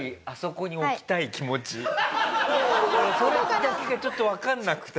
俺それだけがちょっとわかんなくて。